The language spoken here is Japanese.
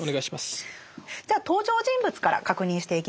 じゃあ登場人物から確認していきましょうか。